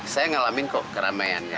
saya ngalamin kok keramaiannya